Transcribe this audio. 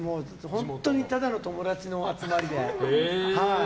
本当にただの友達の集まりで。